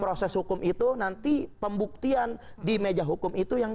proses hukum itu nanti pembuktian di meja hukum itu yang